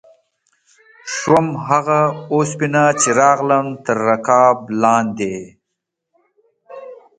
شوم هغه اوسپنه چې راغلم تر رکاب لاندې